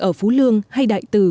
ở phú lương hay đại từ